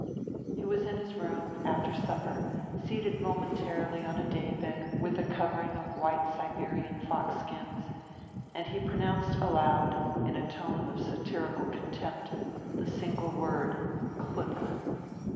He was in his room, after supper, seated momentarily on a day bed with a covering of white Siberian fox skins, and he pronounced aloud, in a tone of satirical contempt, the single word, "Clipper."